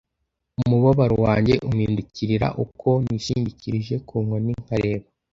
Umubabaro wanjye umpindukirira uko nishingikirije ku nkoni nkareba.